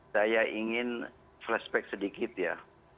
saya ingin flashback sedikit ya